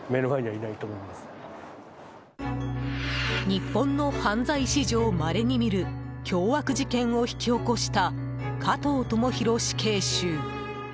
日本の犯罪史上、まれに見る凶悪事件を引き起こした加藤智大死刑囚。